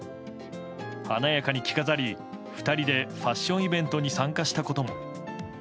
華やかに着飾り２人でファッションイベントに参加したことも。